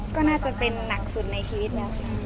ก็น่าจะเป็นนักสุดในชีวิตนะ